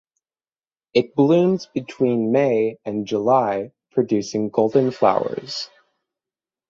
It blooms between May and July producing golden flowers.